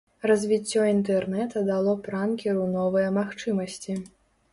Развіццё інтэрнэта дало пранкеру новыя магчымасці.